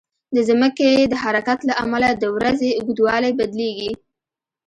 د ځمکې د حرکت له امله د ورځې اوږدوالی بدلېږي.